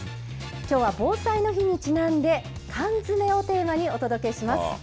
きょうは防災の日にちなんで缶詰をテーマにお届けします。